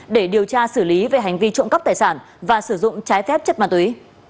để điều tra xử lý về hành vi trộm cắp tài sản và sử dụng trái phép chất ma túy